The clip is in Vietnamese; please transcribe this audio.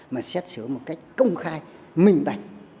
mà xét xử một cách công khai minh bạch